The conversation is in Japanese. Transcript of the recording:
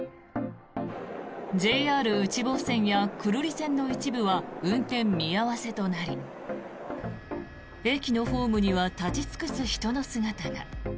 ＪＲ内房線や久留里線の一部は運転見合わせとなり駅のホームには立ち尽くす人の姿が。